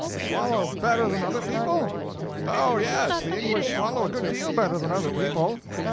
"Swallow better than other people?" "Oh, yes, the English swallow a good deal better than other people."